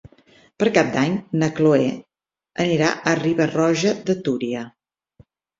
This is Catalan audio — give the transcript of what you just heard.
Per Cap d'Any na Chloé anirà a Riba-roja de Túria.